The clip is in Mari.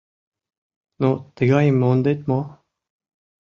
Но тыгайым мондет мо?